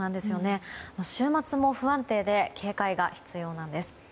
週末も不安定で警戒が必要なんです。